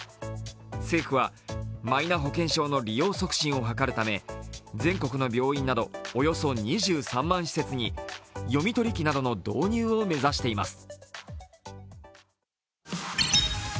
政府はマイナ保険証の利用促進を図るため全国の病院などおよそ２３万施設に読み取り機などの導入を目指しています。